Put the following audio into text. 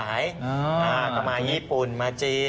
อาจจะมาญี่ปุ่นมาจีน